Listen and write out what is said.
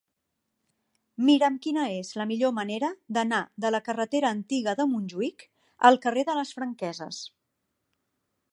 Mira'm quina és la millor manera d'anar de la carretera Antiga de Montjuïc al carrer de les Franqueses.